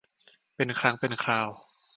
เป็นครั้งเป็นคราว